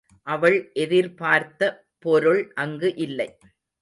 அவள் எதிர்பார்த்த பொருள் அங்கு இல்லை.